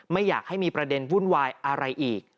ไม่อยากให้มีประเด็นวุ่นวายอะไรอีก